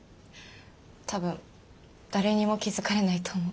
多分誰にも気付かれないと思う。